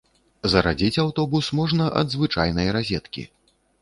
Зарадзіць аўтобус можна ад звычайнай разеткі.